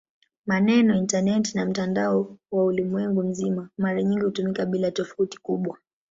Maneno "intaneti" na "mtandao wa ulimwengu mzima" mara nyingi hutumika bila tofauti kubwa.